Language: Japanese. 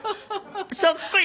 そっくり。